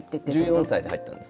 １４歳で入ったんです。